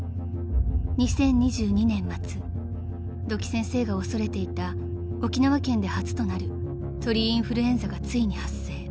［２０２２年末土城先生が恐れていた沖縄県で初となる鳥インフルエンザがついに発生］